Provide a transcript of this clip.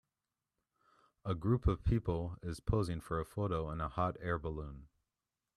A group of people is posing for a photo in a hot air balloon.